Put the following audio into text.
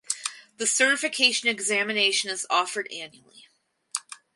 The certification examination is offered annually.